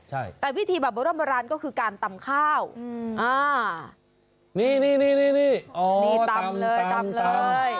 ใช่แต่วิธีแบบร่วมร้อนก็คือการตำข้าวอ่านี่นี่นี่นี่นี่อ๋อตำเลยตำเลย